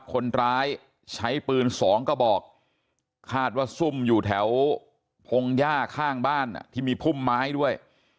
คนร้ายใช้ปืนสองกระบอกคาดว่าซุ่มอยู่แถวพงหญ้าข้างบ้านที่มีพุ่มไม้ด้วย